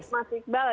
baik mas iqbal